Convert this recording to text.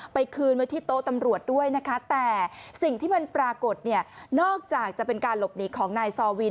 คืนไว้ที่โต๊ะตำรวจด้วยนะคะแต่สิ่งที่มันปรากฏเนี่ยนอกจากจะเป็นการหลบหนีของนายซอวิน